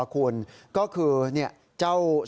ก็คือเจ้าโสโต่ค์